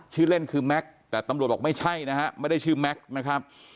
ชื่อเล่นคือแม็กซ์แต่ตำรวจบอกไม่ใช่นะฮะไม่ได้ชื่อแม็กซ์นะครับ